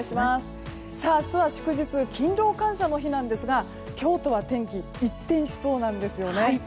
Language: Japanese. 明日は祝日勤労感謝の日なんですが今日とは天気、一転しそうなんですよね。